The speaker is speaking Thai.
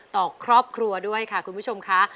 ต่อครอบครัวด้วยค่ะคุณผู้ชมค่ะ